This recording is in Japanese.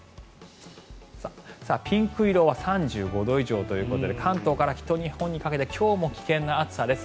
ピンク色は３５度以上ということで関東から北日本にかけて今日も危険な暑さです。